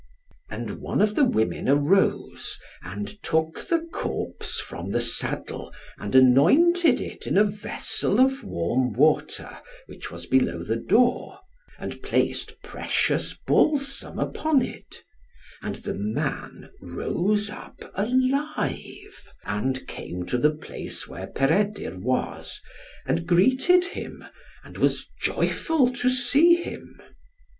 And one of the women arose, and took the corpse from the saddle, and anointed it in a vessel of warm water, which was below the door, and placed precious balsam upon it; and the man rose up alive, and came to the place where Peredur was, and greeted him, and was joyful to see him.